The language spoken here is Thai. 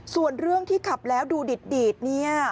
ส่วนเรื่องที่ขับแล้วดูดีดเนี่ย